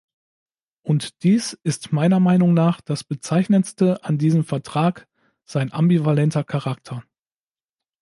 Und dies ist meiner Meinung nach das Bezeichnendste an diesem Vertrag, sein ambivalenter Charakter.